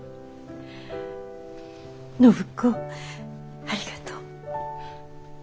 暢子ありがとう。